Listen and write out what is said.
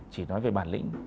chỉ nói về bản lĩnh